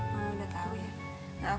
mamo udah tau ya